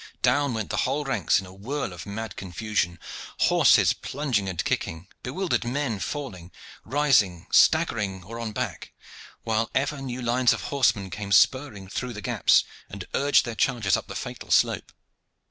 Down went the whole ranks in a whirl of mad confusion, horses plunging and kicking, bewildered men falling, rising, staggering on or back, while ever new lines of horsemen came spurring through the gaps and urged their chargers up the fatal slope.